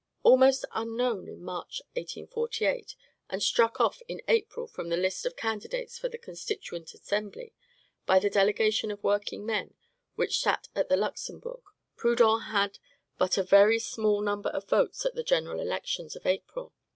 Almost unknown in March, 1848, and struck off in April from the list of candidates for the Constituent Assembly by the delegation of workingmen which sat at the Luxembourg, Proudhon had but a very small number of votes at the general elections of April.